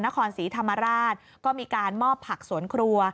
นครศรีธรรมราชก็มีการมอบผักสวนครัว